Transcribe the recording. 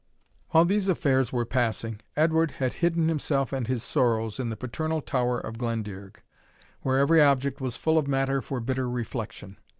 While these affairs were passing, Edward had hidden himself and his sorrows in the paternal Tower of Glendearg, where every object was full of matter for bitter reflection.